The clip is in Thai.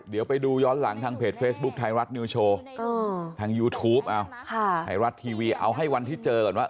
เดี๋ยวไปดูย้อนหลังทางเพจเฟซบุ๊คไทยรัฐนิวโชว์ทางยูทูปเอาไทยรัฐทีวีเอาให้วันที่เจอก่อนว่า